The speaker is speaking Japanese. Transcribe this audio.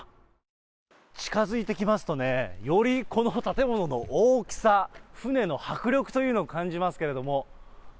近づいてきますとね、よりこの建物の大きさ、船の迫力というのを感じますけれども。